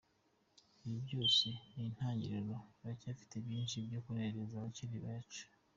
Ibi byose ni intangiriro turacyafite byinshi byo kunezeza abakiriya bacu.